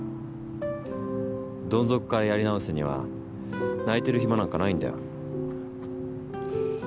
どん底からやり直すには泣いてる暇なんかないんだよ。